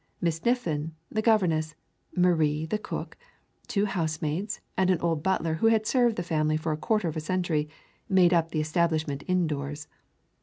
Miss Niffin the governess, Marie the cook, two housemaids, and an old butler who had served the family for a quarter of a century made up the establishment indoors.